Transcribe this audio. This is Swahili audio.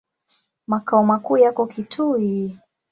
Makao makuu yako Kitui.